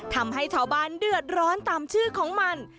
ทำให้ชาวบ้านเดือดร้อนตามชื่อของมัน